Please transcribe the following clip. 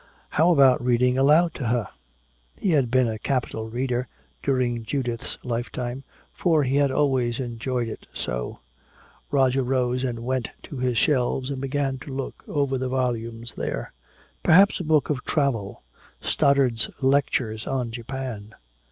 How about reading aloud to her? He had been a capital reader, during Judith's lifetime, for he had always enjoyed it so. Roger rose and went to his shelves and began to look over the volumes there. Perhaps a book of travel.... Stoddard's "Lectures on Japan."